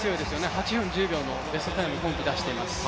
８分１０秒のベストを今シーズン出しています。